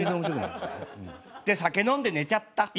で酒飲んで寝ちゃった。